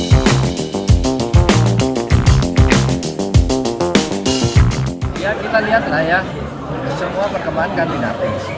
ya kita lihatlah ya semua perkembangan kandidat